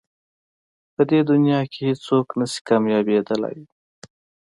په دې دنیا کې هېڅ څوک نه شي کامیابېدلی.